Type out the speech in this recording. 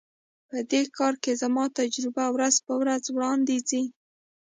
په دې کار کې زما تجربه ورځ په ورځ وړاندي ځي.